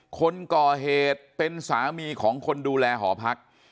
คนก่อเหตุเป็นสามีของคนดูแลหอพัก